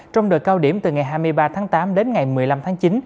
trong đợt cao điểm từ ngày hai mươi ba tháng tám đến ngày một mươi năm tháng chín